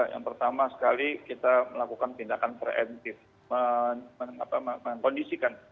yang pertama sekali kita melakukan tindakan kondisikan